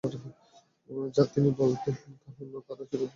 যা তিনি বলবেন, তা গ্রহণ করার জন্যে তারা ছিল উদগ্রীব।